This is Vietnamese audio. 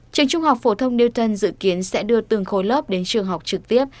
trường trung học phổ thông newta dự kiến sẽ đưa từng khối lớp đến trường học trực tiếp